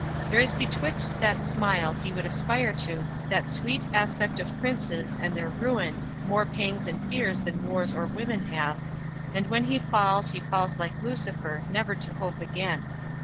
There is betwixt that smile he would aspire to, That sweet aspect of princes, and their ruin, More pangs and fears than wars or women have; And when he falls he falls like Lucifer, Never to hope again!